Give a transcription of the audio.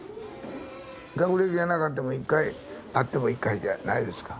学歴がなかっても１回あっても１回じゃないですか。